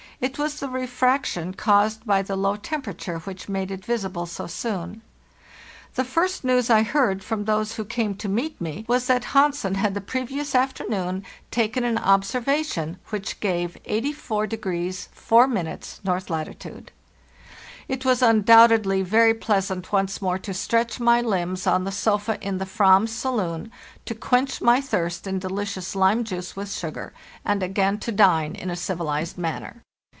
It was the refraction caused by the low temperature which made it visible so soon. The first news I heard from those who came to meet me was that Hansen had 108 FARTHEST NORTH the previous afternoon taken an observation, which gave 84° 4' north latitude. "Tt was undoubtedly very pleasant once more to stretch my limbs on the sofa in the /vam's saloon, to quench my thirst in delicious lime juice with sugar, and again to dine in a civilized manner.